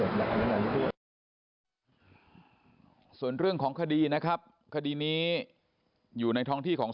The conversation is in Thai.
เหลืองของคดีนี้อยู่ท้องที่ของ